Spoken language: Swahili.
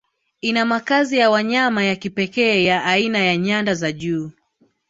Ina makazi ya wanyama ya kipekee ya aina ya nyanda za juu